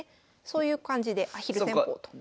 そういう感じでアヒル戦法と。